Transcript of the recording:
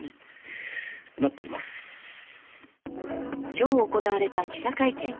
今日行われた記者会見。